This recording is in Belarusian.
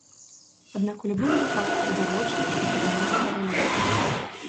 Аднак у любым выпадку відавочна, што пераможа каралева.